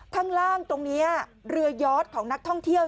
ข้างล่างตรงนี้เรือยอดของนักท่องเที่ยว